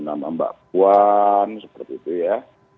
nama mbak puan seperti itu ya